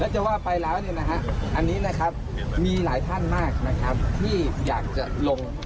แช่หลักที่อยากจะลง